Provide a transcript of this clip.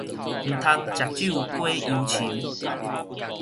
毋通食酒解憂愁